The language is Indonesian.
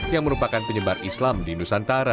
yang merupakan penyebar islam di nusantara